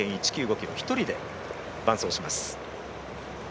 ｋｍ１人で伴走します。